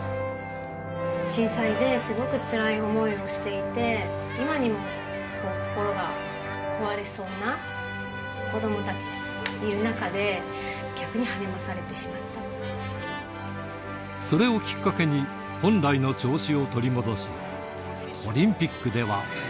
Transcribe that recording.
震災ですごくつらい想いをしていて、今にも心が壊れそうな子どもたちがいる中で、それをきっかけに、本来の調子を取り戻し、オリンピックでは。